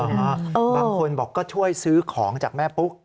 บางคนบอกก็ช่วยซื้อของจากแม่ปุ๊ก